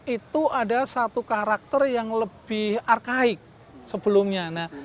itu ada satu karakter yang lebih arkaik sebelumnya